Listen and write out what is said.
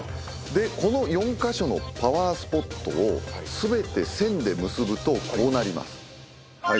この４カ所のパワースポットを全て線で結ぶとこうなります。